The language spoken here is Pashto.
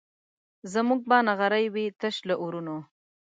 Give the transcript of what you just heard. زموږ به نغري وي تش له اورونو